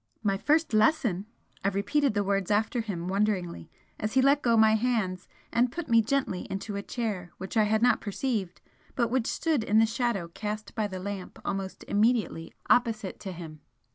"My first lesson!" I repeated the words after him wonderingly as he let go my hands and put me gently into a chair which I had not perceived but which stood in the shadow cast by the lamp almost immediately opposite to him.